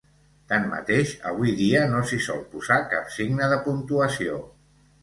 Tanmateix, avui dia no s'hi sol posar cap signe de puntuació.